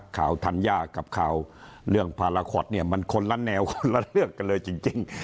ธัญญากับข่าวเรื่องพาราคอตเนี่ยมันคนละแนวคนละเรื่องกันเลยจริง